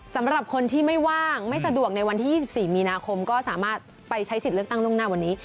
สำหรับคนที่ไม่ว่างไม่สะดวกในวันที่๒๔มีนาคมก็สามารถไปใช้สิทธิ์เลือกตั้งล่วงหน้าวันนี้